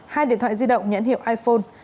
hai điện thoại di động nhãn hiệu iphone